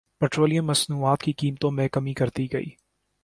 petroleum مصنوعات کی قیمتوں میں کمی کردی گئی